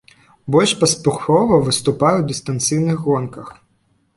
Больш паспяхова выступае ў дыстанцыйных гонках.